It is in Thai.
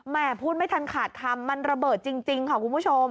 แหม่พูดไม่ทันขาดทำมันระเบิดจริงจริงขอบคุณผู้ชม